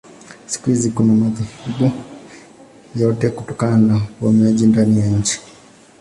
Siku hizi kuna madhehebu yote kutokana na uhamiaji ndani ya nchi.